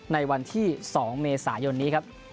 ในวันที่๒เมษายนนี้ครับ